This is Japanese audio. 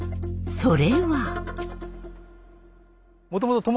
それは。